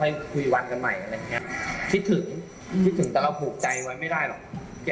แล้วคุยวันกันใหม่อะไรอย่างนี้คิดถึงแต่เราถูกใจไว้ไม่ได้หรอก